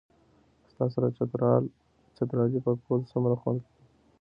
ستا سره چترالي پکول څومره خوند کئ